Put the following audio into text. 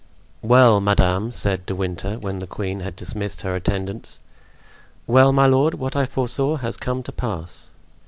Well, madame," said De Winter, when the queen had dismissed her attendants. "Well, my lord, what I foresaw has come to pass."